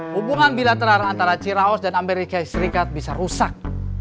hubungan bilateral antara ciraos dan amerika serikat bisa rusak